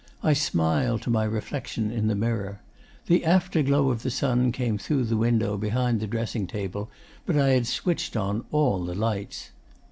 I smiled to my reflection in the mirror. The afterglow of the sun came through the window behind the dressing table, but I had switched on all the lights.